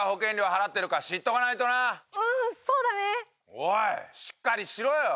おいしっかりしろよ！